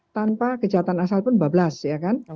tanpa kejahatan asal pun bablas ya kan